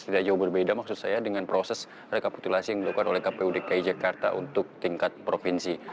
tidak jauh berbeda maksud saya dengan proses rekapitulasi yang dilakukan oleh kpu dki jakarta untuk tingkat provinsi